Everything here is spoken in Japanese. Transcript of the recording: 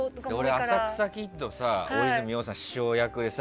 俺、「浅草キッド」大泉洋さん師匠役でさ